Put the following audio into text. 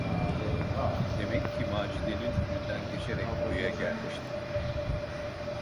Demek ki Macide’nin önünden geçerek buraya gelmişti?